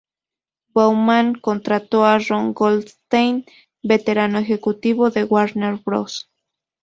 Baumann contrató a Ron Goldstein, veterano ejecutivo de Warner Bros.